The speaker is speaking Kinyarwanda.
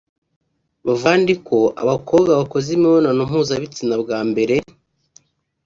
Bavuga kandi ko abakobwa bakoze imibonano mpuzabitsina bwa mbere